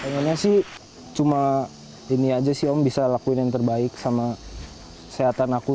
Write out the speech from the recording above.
pengennya sih cuma ini aja sih om bisa lakuin yang terbaik sama sehatan aku